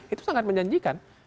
itu sangat menjanjikan